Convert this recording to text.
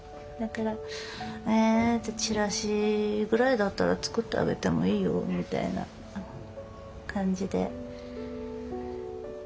えじゃあチラシぐらいだったら作ってあげてもいいよみたいな感じで。